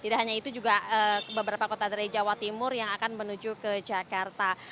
dan juga beberapa kota dari jawa timur yang akan menuju ke jakarta